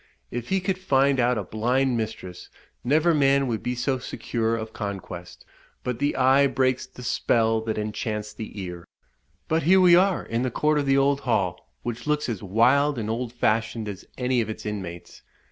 If he could find out a blind mistress, never man would be so secure of conquest; but the eye breaks the spell that enchants the ear. But here we are in the court of the old hall, which looks as wild and old fashioned as any of its inmates.